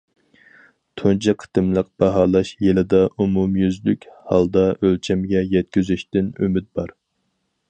تۇنجى قېتىملىق باھالاش يىلىدا ئومۇميۈزلۈك ھالدا ئۆلچەمگە يەتكۈزۈشتىن ئۈمىد بار.